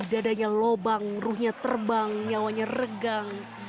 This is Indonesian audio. dadanya lubang ruhnya terbang nyawanya regang